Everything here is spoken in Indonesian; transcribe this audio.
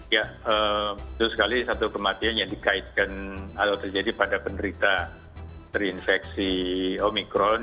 ya betul sekali satu kematian yang dikaitkan atau terjadi pada penderita terinfeksi omikron